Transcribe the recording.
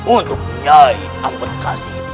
untuk nyai ampetkasi